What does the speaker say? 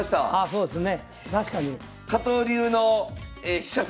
そうですね。